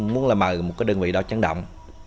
muốn là một đơn vị đó chẳng đáng